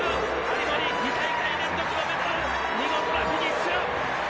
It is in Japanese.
有森、２大会連続のメダル、見事なフィニッシュ！